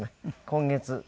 今月。